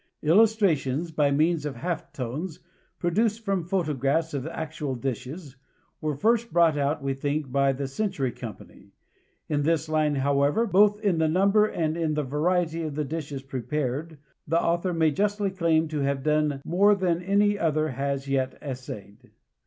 Illustrations by means of half tones produced from photographs of actual dishes were first brought out, we think, by The Century Company; in this line, however, both in the number and in the variety of the dishes prepared, the author may justly claim to have done more than any other has yet essayed.